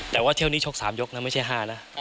แต่ว่าเที่ยวนี้ชก๓ยกนะไม่ใช่๕นะ